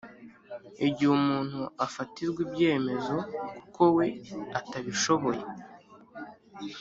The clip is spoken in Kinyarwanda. igihe umuntu afatirwa ibyemezo kuko we atabishoboye,